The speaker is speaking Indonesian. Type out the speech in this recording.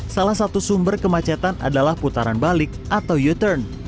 salah satu sumber kemacetan adalah putaran balik atau u turn